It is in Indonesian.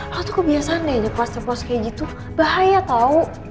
lo tuh kebiasaan deh aja post dua kayak gitu bahaya tau